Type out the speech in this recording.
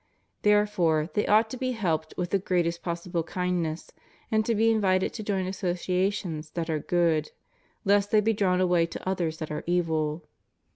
Therefore they ought to be helped with the greatest possi ble kindness, and to be invited to join associations that are good, lest they be drawn away to others that are evil.